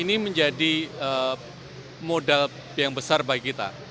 ini menjadi modal yang besar bagi kita